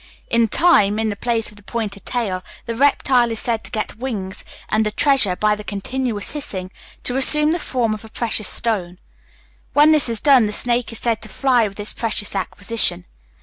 In time, in the place of the pointed tail, the reptile is said to get wings, and the treasure, by the continuous hissing, to assume the form of a precious stone. When this is done, the snake is said to fly with its precious acquisition.